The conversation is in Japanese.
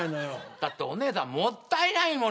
だってお姉さんもったいないもの。